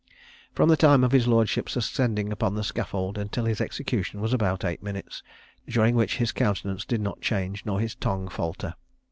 From the time of his lordship's ascending upon the scaffold, until his execution, was about eight minutes; during which his countenance did not change, nor his tongue falter.